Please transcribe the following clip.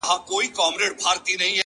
• خو اوس د اوښكو سپين ځنځير پر مخ گنډلی؛